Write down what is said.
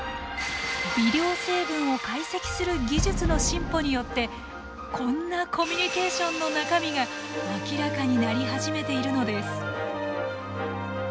微量成分を解析する技術の進歩によってこんなコミュニケーションの中身が明らかになり始めているのです。